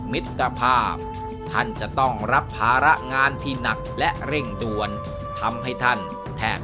มิตรภาพท่านจะต้องรับภาระงานที่หนักและเร่งด่วนทำให้ท่านแทบ